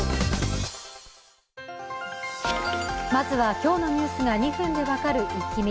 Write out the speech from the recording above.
まずは今日のニュースが２分で分かるイッキ見。